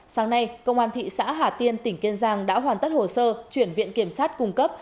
sáng nay công an thị xã hà tiên tỉnh kiên giang đã hoàn tất hồ sơ chuyển viện kiểm sát cung cấp